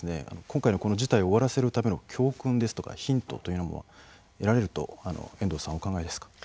今回のこの事態を終わらせるための教訓ですとかヒントというものは得られると遠藤さんお考えですか？